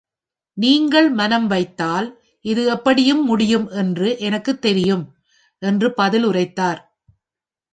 நீங்கள் மனம் வைத்தால் இது எப்படியும் முடியும் என்று எனக்குத் தெரியும்! என்று பதில் உரைத்தார்.